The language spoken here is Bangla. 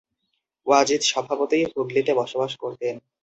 ওয়াজিদ স্বভাবতই হুগলিতে বসবাস করতেন।